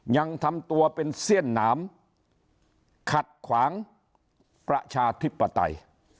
ยังทำตัวเป็นเสี้ยนหนามขัดขวางประชาธิปไตย